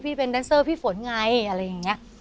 เป็นแดนเซอร์พี่ฝนไงอะไรอย่างนี้